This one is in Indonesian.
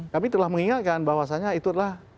kami telah mengingatkan bahwasannya itu adalah